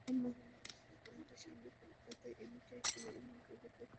ঢাকা মহানগর মহিলা কলেজের সামনে ফুটপাতে ইমিটেশনের অলংকার বিক্রি করছিলেন জুয়েল রানা।